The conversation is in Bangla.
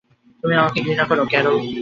তুমি আমাকে ঘৃণা করো, ক্যারল।